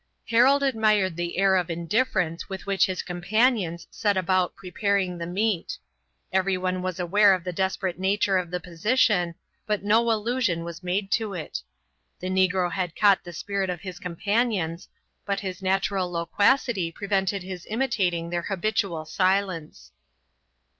Harold admired the air of indifference with which his companions set about preparing the meat. Everyone was aware of the desperate nature of the position, but no allusion was made to it. The negro had caught the spirit of his companions, but his natural loquacity prevented his imitating their habitual silence.